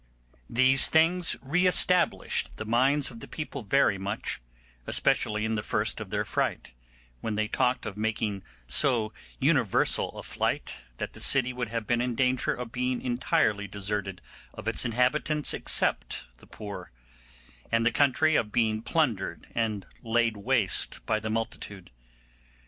These things re established the minds of the people very much, especially in the first of their fright, when they talked of making so universal a flight that the city would have been in danger of being entirely deserted of its inhabitants except the poor, and the country of being plundered and laid waste by the multitude.